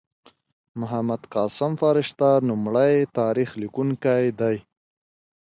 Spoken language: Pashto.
محمد قاسم فرشته لومړی تاریخ لیکونکی دﺉ.